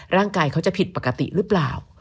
ร่างกายเขาจะผิดปกติหรือเปล่า